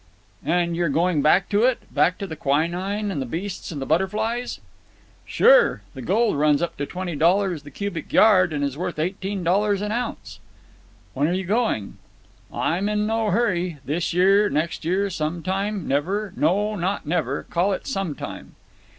"And you're going back to it? Back to the quinine and the beasts and the butterflies?" "Sure. The gold runs up to twenty dollars the cubic yard and is worth eighteen dollars an ounce." "When are you going?" "I'm in no hurry. This year, next year, some time, never. No, not never. Call it some time."